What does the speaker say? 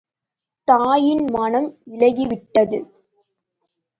தாயின் மனம் இளகிவிட்டது.